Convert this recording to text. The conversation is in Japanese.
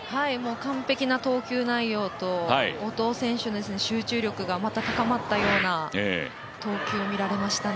完璧な投球内容と後藤選手の集中力がまた高まったような投球、見られましたね。